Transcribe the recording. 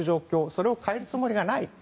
それを変えるつもりがない。